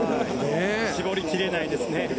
絞り切れないですね。